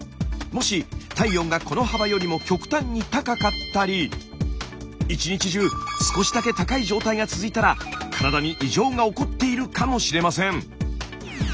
もし体温がこの幅よりも極端に高かったり１日中少しだけ高い状態が続いたら体に異常が起こっているかもしれません。